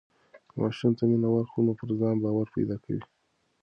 که ماشوم ته مینه ورکړو نو پر ځان باور پیدا کوي.